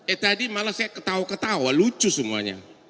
eh tadi malah saya ketawa ketawa lucu semuanya